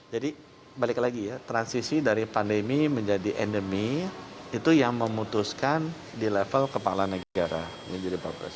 jadi balik lagi ya transisi dari pandemi menjadi endemi itu yang memutuskan di level kepala negara